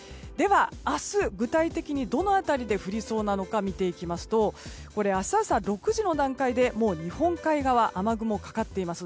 明日、具体的にどの辺りで降りそうなのか見ていきますと明日朝６時の段階で日本海側に雨雲がかかっています。